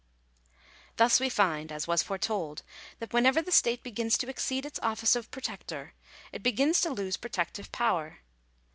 Thus we find, as was foretold, that whenever the state be gins to exceed its office of protector, it begins to lose protec tive power.